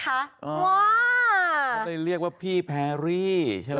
เขาเลยเรียกว่าพี่แพรรี่ใช่ไหม